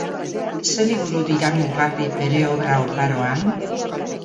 Ze liburu dira mugarri bere obra oparoan?